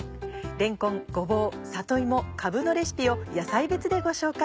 れんこんごぼう里芋かぶのレシピを野菜別でご紹介。